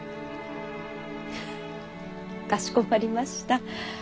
フッかしこまりました。